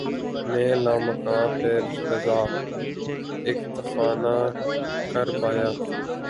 مَیں لامکاں پہ رضاؔ ، اکتفا نہ کر پایا